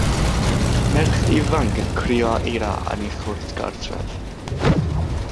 Merch ifanc yn crio eira yn ei chwrt gartref